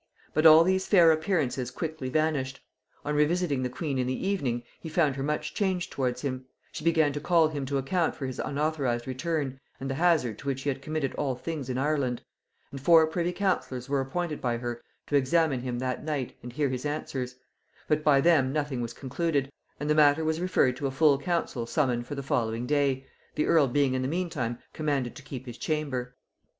But all these fair appearances quickly vanished. On revisiting the queen in the evening, he found her much changed towards him; she began to call him to account for his unauthorised return and the hazard to which he had committed all things in Ireland; and four privy councillors were appointed by her to examine him that night and hear his answers: but by them nothing was concluded, and the matter was referred to a full council summoned for the following day, the earl being in the meantime commanded to keep his chamber.